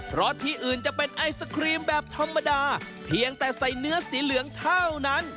เพราะที่อื่นจะเป็นไอศครีมแบบธรรมดาเพียงแต่ใส่เนื้อสีเหลืองเท่านั้น